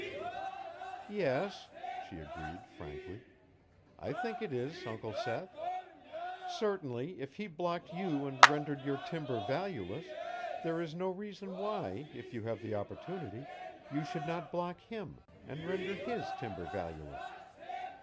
"Yes," she agreed frankly, "I think it is, Uncle Seth. Certainly, if he blocked you and rendered your timber valueless, there is no reason why, if you have the opportunity, you should not block him and render his timber valueless."